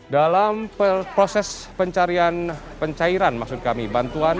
dalam proses pencairan maksud kami bantuan